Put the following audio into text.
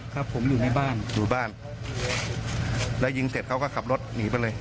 ครับผมอยู่ในบ้านอยู่บ้านแล้วยิงเสร็จเขาก็ขับรถหนีไปเลย